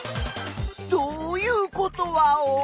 どういうことワオ？